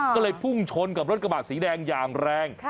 ก็เลยพุ่งชนกับรถกระบาดสีแดงอย่างแรง